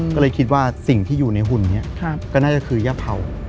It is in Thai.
ก็เลยคิดว่าสิ่งที่อยู่ในหุ่นนี้ก็น่าจะคือย่าเผา